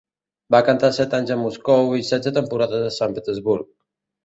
Va cantar set anys a Moscou i setze temporades a Sant Petersburg.